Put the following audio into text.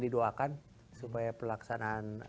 didoakan supaya pelaksanaan